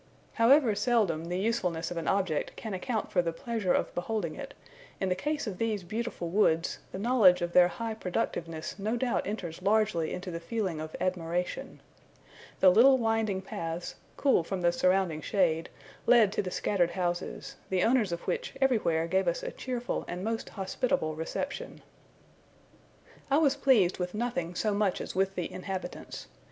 However seldom the usefulness of an object can account for the pleasure of beholding it, in the case of these beautiful woods, the knowledge of their high productiveness no doubt enters largely into the feeling of admiration. The little winding paths, cool from the surrounding shade, led to the scattered houses; the owners of which everywhere gave us a cheerful and most hospitable reception. I was pleased with nothing so much as with the inhabitants.